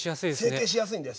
成形しやすいんです。